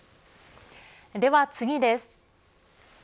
では次です。